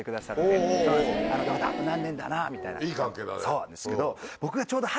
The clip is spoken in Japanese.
そうなんですけど。